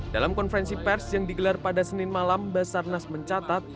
dalam konferensi pers yang digelar pada senin malam basarnas mencatat